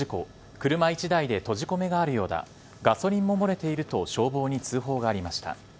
車１台で閉じ込めがあるようだ、ガソリンももれていると消防に通報がありました。